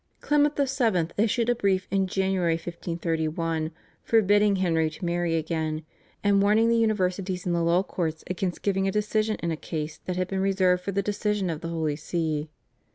Clement VII. issued a brief in January 1531, forbidding Henry to marry again and warning the universities and the law courts against giving a decision in a case that had been reserved for the decision of the Holy See.